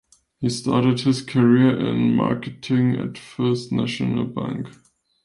He started his career in marketing at First National Bank.